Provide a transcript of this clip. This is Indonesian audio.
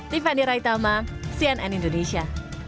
tiffany raitama cnn indonesia